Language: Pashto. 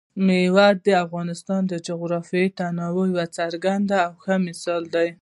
مېوې د افغانستان د جغرافیوي تنوع یو څرګند او ښه مثال دی.